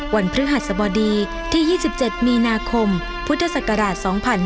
พฤหัสบดีที่๒๗มีนาคมพุทธศักราช๒๕๕๙